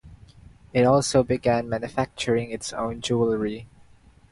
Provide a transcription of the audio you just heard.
It also began manufacturing its own jewelry.